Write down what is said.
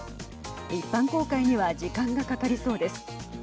一般公開には時間がかかりそうです。